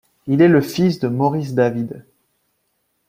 Il est le fils de Maurice David.